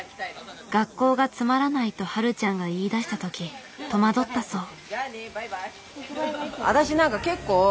「学校がつまらない」とはるちゃんが言いだした時戸惑ったそう。